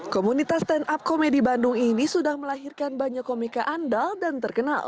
komunitas stand up komedi bandung ini sudah melahirkan banyak komika andal dan terkenal